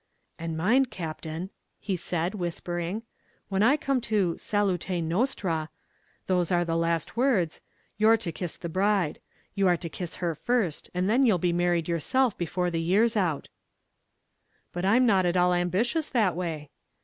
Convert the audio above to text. "And mind, Captain," he added, whispering, "when I come to 'salute nostrâ' those are the last words you're to kiss the bride; you are to kiss her first, and then you'll be married yourself before the year's out." "But I am not all ambitious that way."